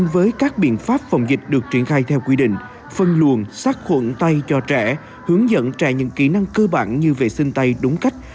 với các biện pháp phòng dịch được triển khai theo quy định phân luồn sát khuẩn tay cho trẻ hướng dẫn trẻ những kỹ năng cơ bản như vệ sinh tay đúng cách